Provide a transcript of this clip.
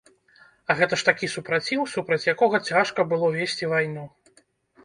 А гэта ж такі супраціў, супраць якога цяжка было весці вайну.